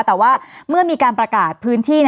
แต่ว่าเมื่อมีการประกาศพื้นที่